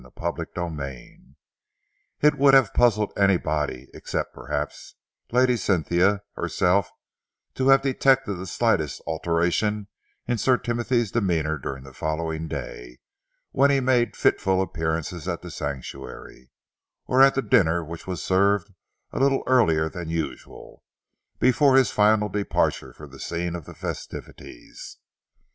CHAPTER XXXIII It would have puzzled anybody, except, perhaps, Lady Cynthia herself, to have detected the slightest alteration in Sir Timothy's demeanour during the following day, when he made fitful appearances at The Sanctuary, or at the dinner which was served a little earlier than usual, before his final departure for the scene of the festivities.